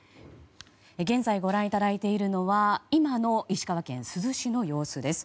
現在ご覧いただいているのは今の石川県珠洲市の様子です。